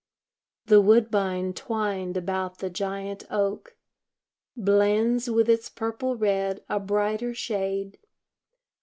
The woodbine twined about the giant oak Blends with its purple red a brighter shade.